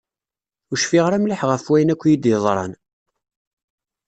Ur cfiɣ ara mliḥ ɣef wayen akk iyi-d-yeḍran.